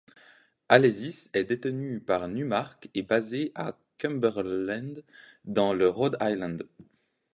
Alesis est détenue par Numark et basée à Cumberland, dans le Rhode Island.